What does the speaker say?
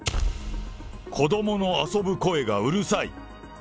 子どもの遊ぶ声がうるさい。